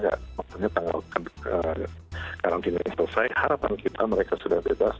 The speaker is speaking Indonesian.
artinya tanggal karantinanya selesai harapan kita mereka sudah bebas